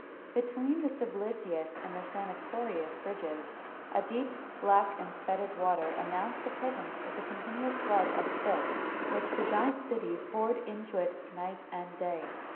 Between the Sublicius and Senatorius bridges, a deep, black, and fetid water announced the presence of the continual flood of filth which the giant city poured into it night and day.